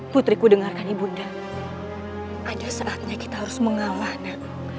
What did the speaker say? putriku dengarkan ibu nda ada saatnya kita harus mengawal nak